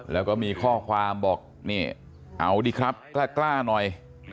แล้วก็มีข้อความบอกนี่เอาดีครับกล้าหน่อย